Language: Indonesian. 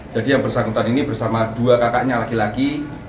jadi yang bersangkutan ini bersama dua kakaknya laki laki